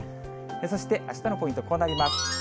そして、あしたのポイント、こうなります。